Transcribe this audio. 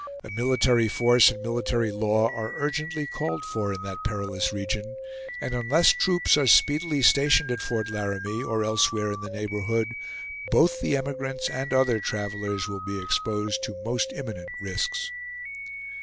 A military force and military law are urgently called for in that perilous region; and unless troops are speedily stationed at Fort Laramie, or elsewhere in the neighborhood, both the emigrants and other travelers will be exposed to most imminent risks.